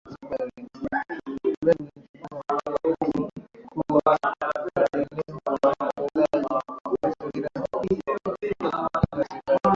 Mradi ulimchagua mnyama huyu kuwa kwenye nembo ya utunzaji mazingira Zanzibar